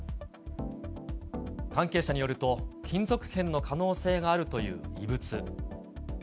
関係者によると、金属片の可能性があるという異物。